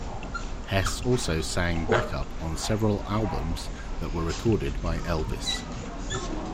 Hess also sang backup on several albums that were recorded by Elvis.